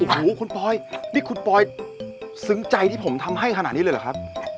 โอ้โหคุณปอยนี่คุณปอยซึ้งใจที่ผมทำให้ขนาดนี้เลยเหรอครับ